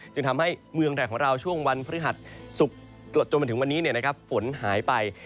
จึงทำให้เมืองไทยของเราช่วงวันพฤหัสศุกร์จนมาถึงวันนี้ฝนหายไป